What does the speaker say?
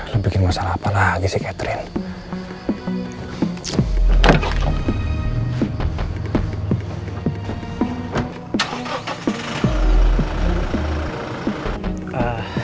lo bikin masalah apa lagi sih catherine